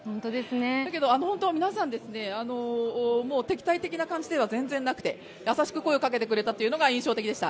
だけど、皆さん敵対的な感じでは全然なくて優しく声をかけてくれたというのが印象的でした。